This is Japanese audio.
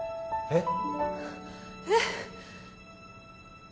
えっ？